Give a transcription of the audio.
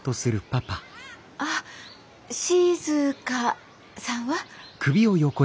あ静さんは？